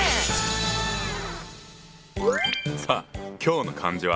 さあ今日の漢字は？